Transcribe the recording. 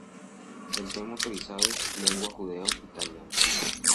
El tema autorizado es "lengua judeo-italiana".